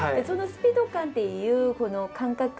そのスピード感っていう感覚